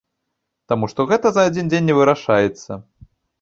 Таму што гэта за адзін дзень не вырашаецца.